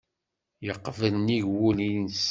Yeqbel nnig wul-nnes.